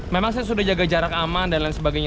memang saya sudah jaga jarak aman dan lain sebagainya